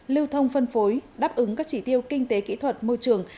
lưu thông phân phối đáp ứng các chỉ tiêu kinh tế kỹ thuật môi trường